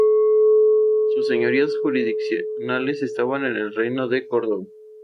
Sus señoríos jurisdiccionales estaban en el Reino de Córdoba.